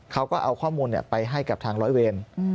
เขาก็เอาข้อมูลไปให้กับทางร้อยเวร